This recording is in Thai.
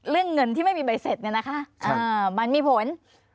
เรื่องเงินที่ไม่มีใบเสร็จมันมีผล